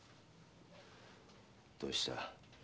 どうした？